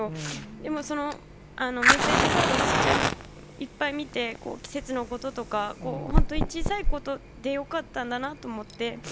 でもそのメッセージカード、ちっちゃいの、いっぱい見て、季節のこととか、本当に小さいことでよかったんだなと思って。